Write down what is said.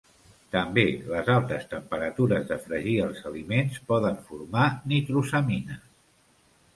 També les altes temperatures de fregir els aliments poden formar nitrosamines.